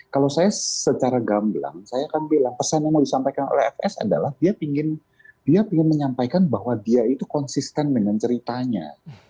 kalau saya secara gamblang saya akan bilang pesan yang mau disampaikan oleh fs adalah dia ingin menyampaikan bahwa dia itu konsisten dengan ceritanya